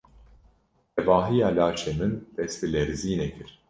Tevahiya laşê min dest bi lerizînê kir.